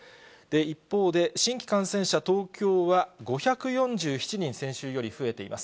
一方で、新規感染者、東京は５４７人、先週より増えています。